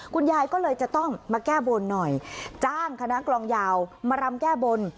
คุณยายก็เลยจะต้องมาแก้บนหน่อยจ้างคณะกลองยาวมารำแก้บน